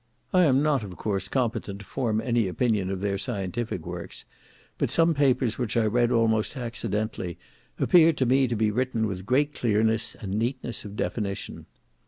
I am not, of course, competent to form any opinion of their scientific works; but some papers which I read almost accidentally, appeared to me to be written with great clearness, and neatness of definition.